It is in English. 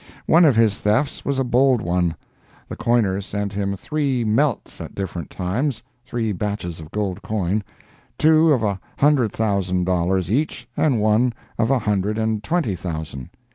One of his thefts was a bold one. The coiner sent him three "melts" at different times—three batches of gold coin—two of a hundred thousand dollars each and one of a hundred and twenty thousand.